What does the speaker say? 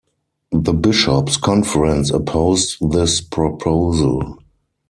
The bishops conference opposed this proposal.